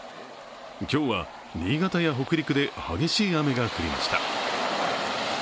今日は新潟や北陸で激しい雨が降りました。